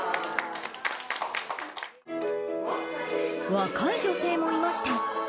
若い女性もいました。